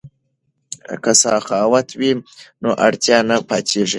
که سخاوت وي نو اړتیا نه پاتیږي.